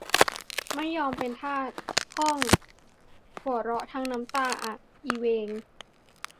ไม่ยอมเป็นทาส พ่อง หัวเราะทั้งน้ำตาอะ อิเวง